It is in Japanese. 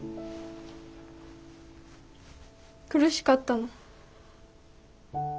苦しかったの。